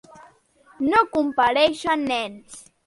No compareixen nens.